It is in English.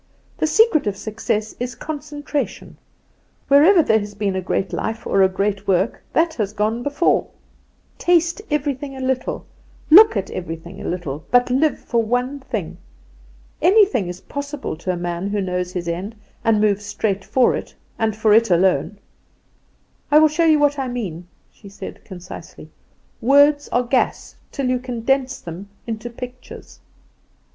The secret of success is concentration; wherever there has been a great life, or a great work, that has gone before. Taste everything a little, look at everything a little; but live for one thing. Anything is possible to a man who knows his end and moves straight for it, and for it alone. I will show you what I mean," she said, concisely; "words are gas till you condense them into pictures."